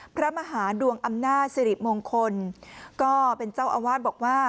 พระมหาดวงอำนาจสิริมงคลก็เป็นเจ้าอาวาสบอกว่า